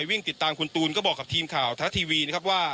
วิ่งติดตามคุณตูนก็บอกกับทีมข่าวทะทีวีนะครับว่า